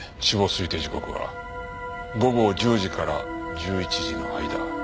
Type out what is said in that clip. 死亡推定時刻は午後１０時から１１時の間。